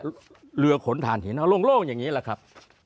แล้วเหลือขนทางถึงโล่งอย่างนี้ละครับ